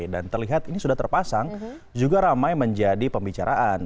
dan terlihat ini sudah terpasang juga ramai menjadi pembicaraan